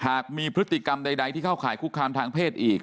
หากมีพฤติกรรมใดที่เข้าข่ายคุกคามทางเพศอีก